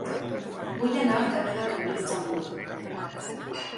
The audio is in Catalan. Vull anar al carrer de Cambrils amb moto.